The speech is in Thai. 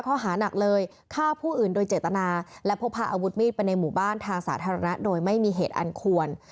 ข้อหานักเลยฆ่าผู้อื่นโดยเจตนาและพกพาอาวุธมีดไปในหมู่บ้านทางสาธารณะโดยไม่มีเหตุอันควร